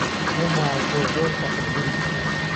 پێم وایە تۆ زۆر سەختگریت.